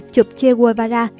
chụp che guevara